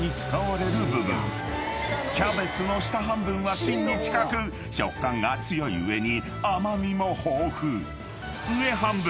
［キャベツの下半分は芯に近く食感が強い上に甘味も豊富］